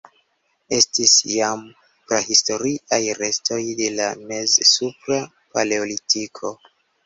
Estis jam prahistoriaj restoj de la mez-supra Paleolitiko.